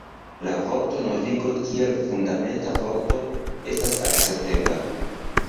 La vorto novigo kiel fundamenta vorto estas akceptebla.